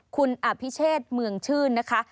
คุณอภิเชษเมืองชื่นนะคะ